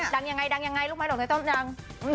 ดังยังไงลูกไม้ตกใต้ต้นดัง